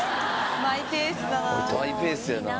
マイペースだな。